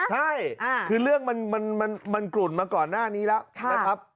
ใช่คือเรื่องมันกลุ่นมาก่อนหน้านี้แล้วนะครับ